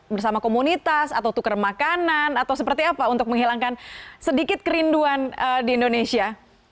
bersama komunitas atau tukar makanan atau seperti apa untuk menghilangkan sedikit kerinduan di indonesia